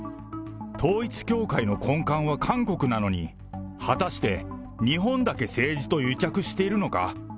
統一教会の根幹は韓国なのに、果たして日本だけ政治と癒着しているのか？